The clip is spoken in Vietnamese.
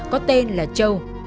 có tên là châu